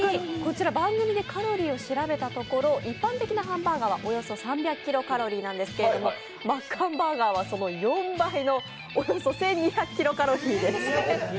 ちなみに番組でカロリーを調べたところ、一般的なカロリーは３００キロカロリーなんですがマッカンバーガーはその４倍のおよそ１２００キロカロリーです。